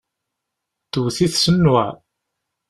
Tewwet-it s nnuɛ.